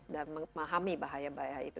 dan memahami bahaya bahaya itu